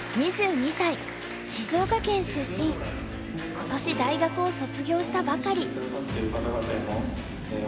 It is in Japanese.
今年大学を卒業したばかり。